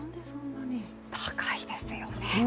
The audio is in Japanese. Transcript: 高いですよね。